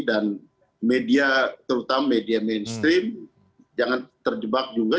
dan media terutama media mainstream jangan terjebak juga